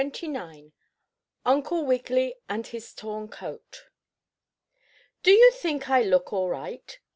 STORY XXIX UNCLE WIGGILY AND HIS TORN COAT "Do you think I look all right?"